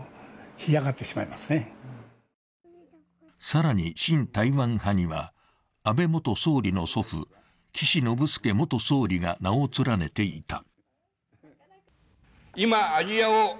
更に、親台湾派には安倍元総理の祖父、岸信介元総理が名を連ねていた。